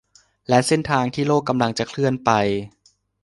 และเส้นทางที่โลกกำลังจะเคลื่อนไป